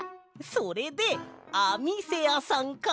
それで「あ」みせやさんか！